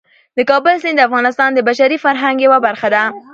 د کابل سیند د افغانستان د بشري فرهنګ یوه برخه ده.